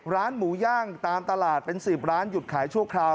ร้านหมูย่างตามตลาดเป็น๑๐ร้านหยุดขายชั่วคราว